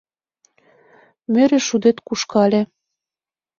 Мӧрӧ шудет кушкале.